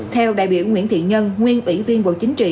theo đại biểu nguyễn thị nhân nguyên ủy viên bộ chính trị